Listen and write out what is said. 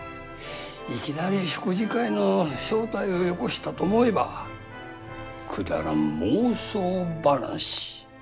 いきなり食事会の招待をよこしたと思えばくだらん妄想話。